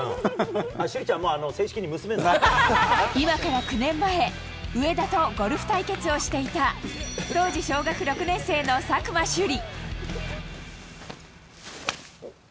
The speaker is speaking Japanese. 朱莉ちゃん、もう正式に娘に今から９年前、上田とゴルフ対決をしていた、当時小学６年生の佐久間朱莉。